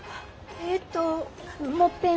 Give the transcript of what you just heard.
ええともっぺん